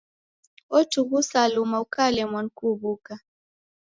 Otughusa luma ukalemwa ni kuw'uka.